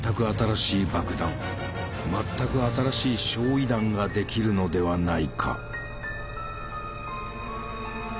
全く新しい焼夷弾ができるのではないか」。